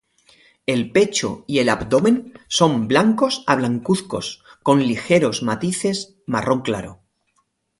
El pecho y el abdomen son blancos a blancuzcos con ligeros matices marrón claro.